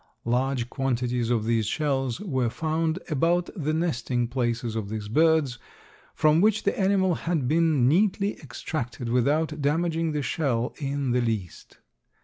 Large quantities of these shells were found about the nesting places of these birds, from which the animal had been neatly extracted without damaging the shell in the least.